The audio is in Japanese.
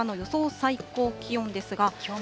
最高気温ですが。